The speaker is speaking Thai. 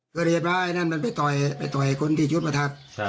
ก็เรียบร้าไอ้นั่นมันไปต่อยไปต่อยคนที่จุดประทับ